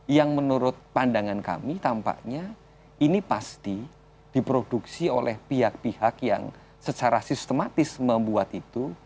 yang menurut pandangan kami tampaknya ini pasti diproduksi oleh pihak pihak yang secara sistematis membuat itu